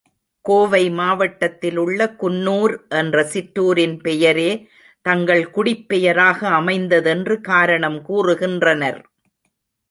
கோவை மாவட்டத்திலுள்ள குன்னூர் என்ற சிற்றூரின் பெயரே தங்கள் குடிப்பெயராக அமைந்ததென்று காரணம் கூறுகின்றனர்.